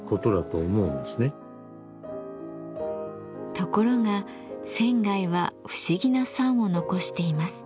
ところが仙は不思議な賛を残しています。